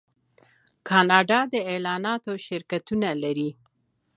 کاناډا د اعلاناتو شرکتونه لري.